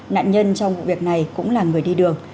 nạn nhân trong vụ việc này cũng là người đi đường